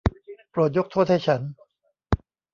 โปรดยกโทษให้ฉัน.